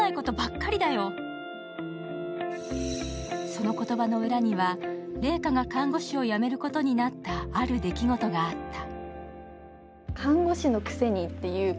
その言葉の裏には怜花が看護師を辞めることになったある出来事があった。